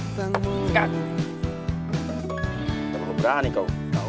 terlalu berani kau